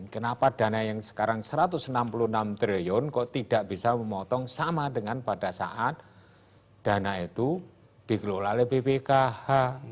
kenapa dana yang sekarang satu ratus enam puluh enam triliun kok tidak bisa memotong sama dengan pada saat dana itu dikelola oleh bpkh